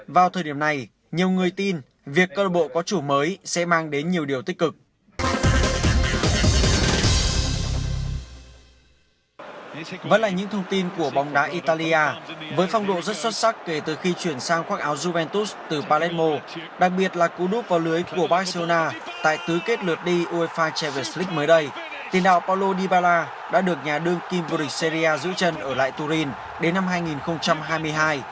với phong độ rất xuất sắc kể từ khi chuyển sang khoác áo juventus từ palermo đặc biệt là cú núp vào lưới của barcelona tại tứ kết lượt đi uefa champions league mới đây tỉnh đạo paulo dybala đã được nhà đương kimburic seria giữ chân ở lại turin đến năm hai nghìn hai mươi hai